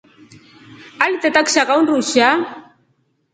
Aliteta kishaka undusha.